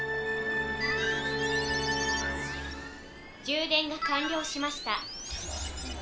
「充電が完了しました」。